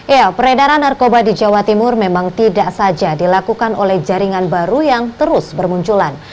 ya peredaran narkoba di jawa timur memang tidak saja dilakukan oleh jaringan baru yang terus bermunculan